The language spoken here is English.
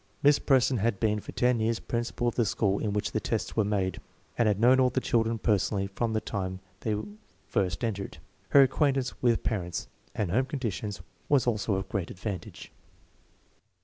Miss Preston had been for ten years principal of the school in which the tests were made, and had known all the children personally from the time they first entered. Her acquaintance with parents and home conditions was also of great advantage.